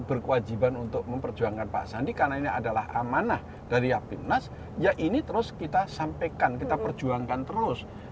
berkewajiban untuk memperjuangkan pak sandi karena ini adalah amanah dari apimnas ya ini terus kita sampaikan kita perjuangkan terus